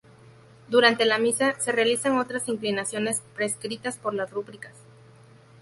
Durante la Misa, se realizan otras inclinaciones prescritas por las rúbricas.